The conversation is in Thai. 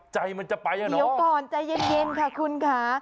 ใจมันจะไปอ่ะเหรอเดี๋ยวก่อนใจเย็นค่ะคุณค่ะ